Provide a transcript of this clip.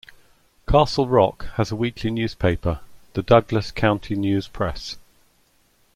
Castle Rock has a weekly newspaper, "The Douglas County News-Press".